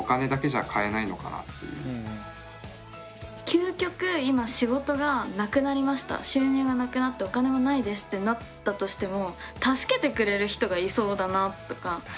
究極今仕事がなくなりました収入がなくなってお金もないですってなったとしても助けてくれる人がいそうだなとか。